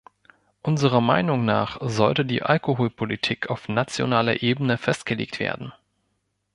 Unserer Meinung nach sollte die Alkoholpolitik auf nationaler Ebene festgelegt werden.